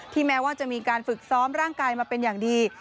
แม้ว่าจะมีการฝึกซ้อมร่างกายมาเป็นอย่างดี